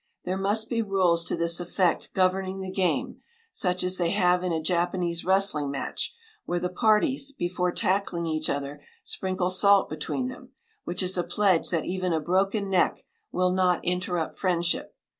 There must be rules to this effect governing the game, such as they have in a Japanese wrestling match, where the parties, before tackling each other, sprinkle salt between them, which is a pledge that even a broken neck will not interrupt friendship.